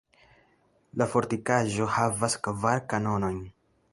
La fortikaĵo havas kvar kanonojn.